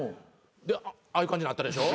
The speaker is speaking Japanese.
でああいう感じになったでしょ。